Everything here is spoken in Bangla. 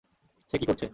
সে কি করছে?